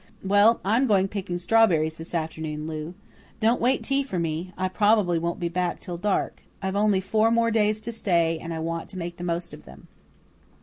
Well, I'm going picking strawberries this afternoon, Lou. Don't wait tea for me. I probably won't be back till dark. I've only four more days to stay and I want to make the most of them."